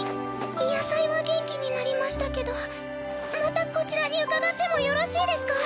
野菜は元気になりましたけどまたこちらに伺ってもよろしいですか？